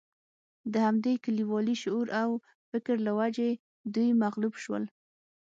د همدې کلیوالي شعور او فکر له وجې دوی مغلوب شول.